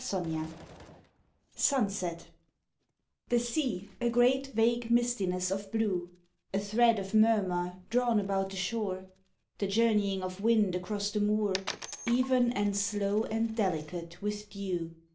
34 SUNSET THE sea a great vague mistiness of blue, A thread of murmur drawn about the shore, The journeying of wind across the moor Even and slow and delicate with dew.